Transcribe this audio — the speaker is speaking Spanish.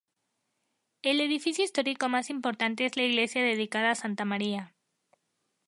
El edificio histórico más importante es la iglesia dedicada a Santa María.